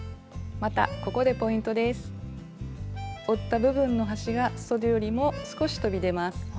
折った部分の端がそでよりも少しとび出ます。